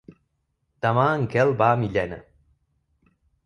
Demà en Quel va a Millena.